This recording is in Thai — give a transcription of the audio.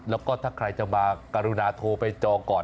แล้วก็ถ้าใครจะมากรุณาโทรไปจองก่อน